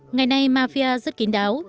ngày nay mafia rất kín đáo